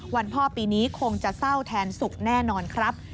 พ่อปีนี้คงจะเศร้าแทนสุขแน่นอนครับ